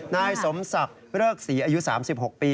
นายสมศักดิ์เริกศรีอายุ๓๖ปี